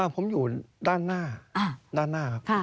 ผมอยู่ด้านหน้าครับ